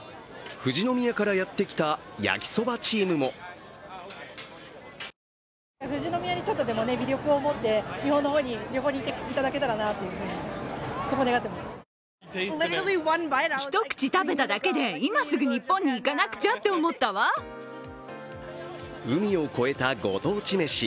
富士宮からやってきたやきそばチームも海を越えたご当地メシ。